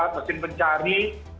tiga mesin pencari